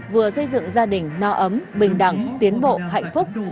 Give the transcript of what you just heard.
vừa xây dựng gia đình no ấm bình đẳng tiến bộ hạnh phúc